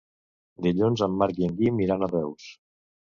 Dilluns en Marc i en Guim iran a Reus.